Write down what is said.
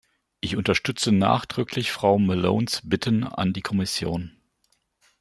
Ich unterstütze nachdrücklich Frau Malones Bitten an die Kommission.